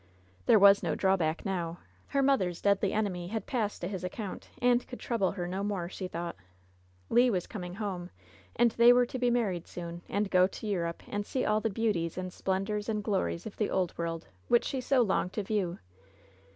There was no drawback now. Her mother's deadly enemy had passed to his account, and could trouble her no more, she thought. Le was coming home, and they were to be married soon, and go to Europe and see all the beauties and splendors and glories of the Old World, which she so longed to view.